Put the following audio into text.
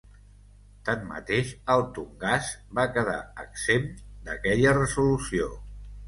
Tanmateix, el Tongass va quedar exempt d'aquella resolució.